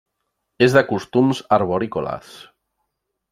És de costums arborícoles.